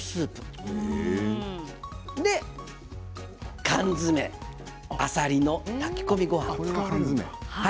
それで、缶詰あさりの炊き込みごはん。